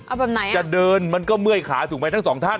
เอาแบบไหนอ่ะจะเดินมันก็เมื่อยขาถูกไหมทั้งสองท่าน